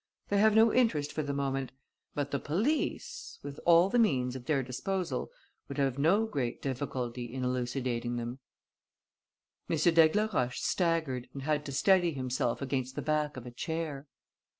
They have no interest for the moment; but the police, with all the means at their disposal, would have no great difficulty in elucidating them." M. d'Aigleroche staggered and had to steady himself against the back of a chair.